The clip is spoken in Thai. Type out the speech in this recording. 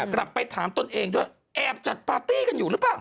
กลับไปถามตนเองด้วยแอบจัดปาร์ตี้กันอยู่หรือเปล่า